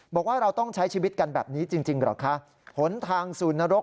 บอกว่าเราต้องใช้ชีวิตกันแบบนี้จริงเหรอคะผลทางศูนย์นรก